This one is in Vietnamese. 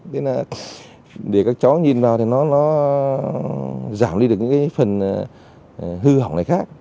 nên là để các cháu nhìn vào thì nó giảm đi được những cái phần hư hỏng này khác